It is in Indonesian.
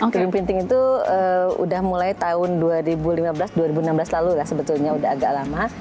gedung pinting itu udah mulai tahun dua ribu lima belas dua ribu enam belas lalu lah sebetulnya udah agak lama